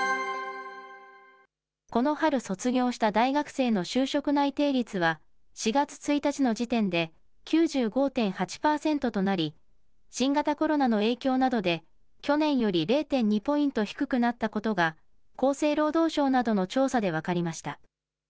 この春卒業した大学生の就職内定率は、４月１日の時点で９５．８％となり、新型コロナの影響などで、去年より０．２ポイント低くなったことが、厚生労働省などの調査で分かりました。